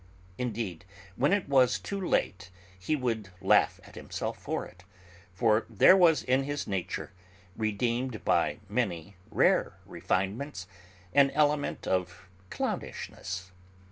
Indeed, when it was too late, he would laugh at himself for it, for there was in his nature, redeemed by many rare refinements, an element of clownishness.